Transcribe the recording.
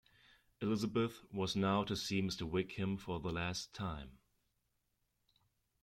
Elizabeth was now to see Mr. Wickham for the last time.